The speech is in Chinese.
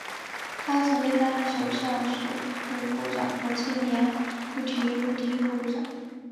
他曾经担任首相署副部长和青年与体育部第一副部长。